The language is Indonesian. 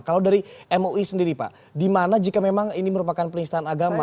kalau dari mui sendiri pak di mana jika memang ini merupakan penistaan agama